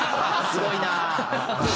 すごいな！